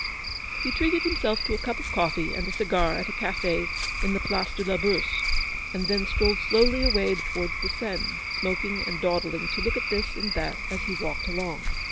He treated himself to a cup of coffee and a cigar at a cafe in the Place de la Bourse, and then strolled slowly away towards the Seine, smoking, and dawdling to look at this and that as he walked along.